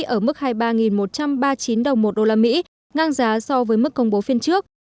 ở mức hai mươi ba một trăm ba mươi chín đồng một đô la mỹ ngang giá so với mức công bố phiên trước